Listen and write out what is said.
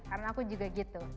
karena aku juga gitu